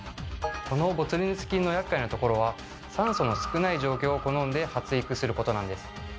このボツリヌス菌のやっかいなところは酸素の少ない状況を好んで発育することなんです。